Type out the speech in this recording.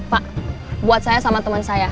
pak buat saya sama teman saya